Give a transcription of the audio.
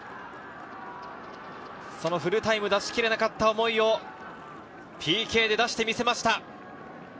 そのフルタイム出し切れなかった思いを、ＰＫで出してみせました。